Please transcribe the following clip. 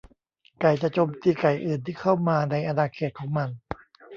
ไก่จะโจมตีไก่อื่นที่เข้ามาในอาณาเขตของมัน